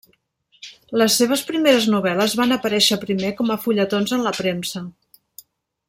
Les seves primeres novel·les van aparèixer primer com a fulletons en la premsa.